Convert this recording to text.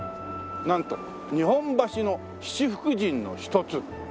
なんと日本橋の七福神の一つ。